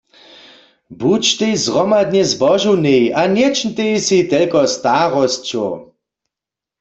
Budźtej zhromadnje zbožownej a nječińtej sej telko starosćow!